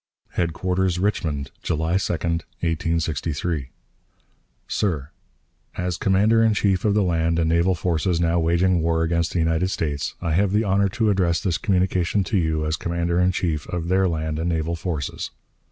"HEADQUARTERS, RICHMOND, July 2, 1863. "SIR: As Commander in Chief of the land and naval forces now waging war against the United States, I have the honor to address this communication to you, as Commander in Chief of their land and naval forces.